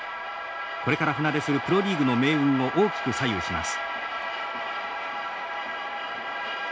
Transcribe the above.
これから船出するプロリーグの命運を大きく左右します。